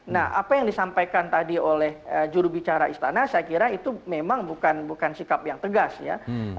nah apa yang disampaikan tadi oleh jurubicara istana saya kira itu memang bukan sikap yang tegas ya